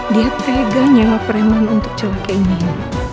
dia tegan yang mempereman untuk celakai nino